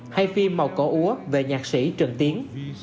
hay phim màu cổ úa về nhạc sĩ trần tiến